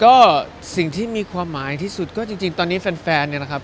ก็สิ่งที่มีความหมายที่สุดก็จริงตอนนี้แฟนเนี่ยนะครับ